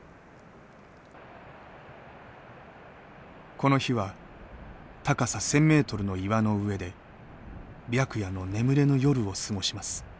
この日は高さ１，０００ｍの岩の上で白夜の眠れぬ夜を過ごします。